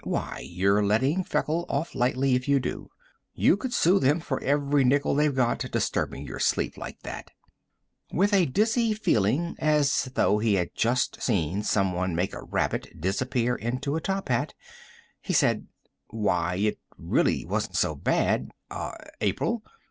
"Why, you're letting Feckle off lightly if you do! You could sue them for every nickel they've got, disturbing your sleep like that." With a dizzy feeling, as though he had just seen someone make a rabbit disappear into a top hat, he said, "Why, it really wasn't so bad, uh, April.